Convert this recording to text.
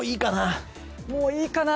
もういいかな。